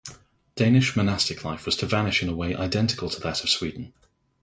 Danish monastic life was to vanish in a way identical to that of Sweden.